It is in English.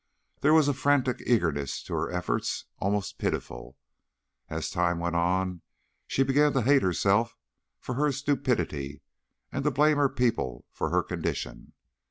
There was a frantic eagerness to her efforts, almost pitiful. As time went on she began to hate herself for her stupidity and to blame her people for her condition.